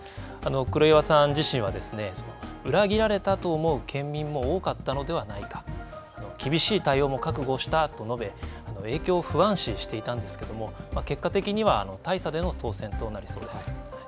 黒岩さん自身は裏切りられたと思う県民も多かったのではないか、厳しい対応も覚悟したと述べ影響を不安視していたんですけれども、結果的には大差での当選となりそうです。